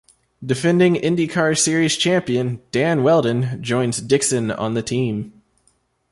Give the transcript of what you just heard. Defending IndyCar Series champion, Dan Wheldon joins Dixon on the team.